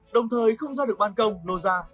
đồng thời không ra được bàn công lô ra